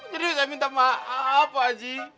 jadi saya minta maaf pak aji